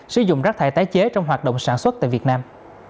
sử dụng rác thải tái chế trong hoạt động sản xuất tại việt nam